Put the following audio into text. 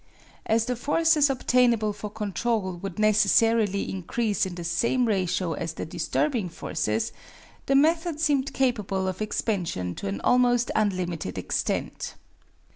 As the forces obtainable for control would necessarily increase in the same ratio as the disturbing forces, the method seemed capable of expansion to an almost unlimited extent.